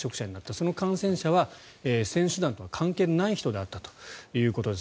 その感染者は選手団とは関係ない人だったということです。